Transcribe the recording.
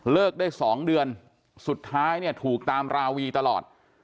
ได้๒เดือนสุดท้ายเนี่ยถูกตามราวีตลอด